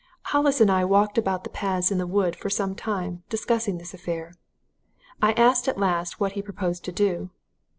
"Hollis and I walked about the paths in the wood for some time, discussing this affair. I asked at last what he proposed to do.